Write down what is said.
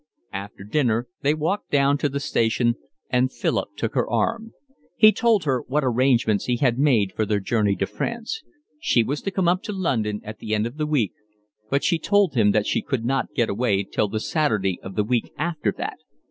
After dinner they walked down to the station, and Philip took her arm. He told her what arrangements he had made for their journey to France. She was to come up to London at the end of the week, but she told him that she could not go away till the Saturday of the week after that.